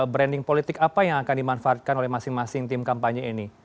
branding politik apa yang akan dimanfaatkan oleh masing masing tim kampanye ini